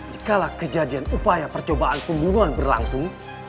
dikala kejadian upaya percobaan pembunuhan berlangsung